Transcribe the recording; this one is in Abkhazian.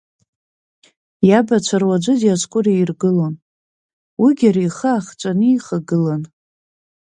Иабацәа руаӡәы Диоскуриа иргылон, уигьы ари ихы аахҵәаны ихагылан…